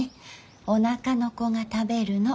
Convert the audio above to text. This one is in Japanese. おなかの子が食べるの。